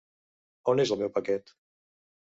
On és el meu paquet?